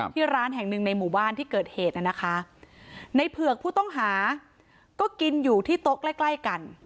ที่ร้านแห่งหนึ่งในหมู่บ้านที่เกิดเหตุน่ะนะคะในเผือกผู้ต้องหาก็กินอยู่ที่โต๊ะใกล้ใกล้กัน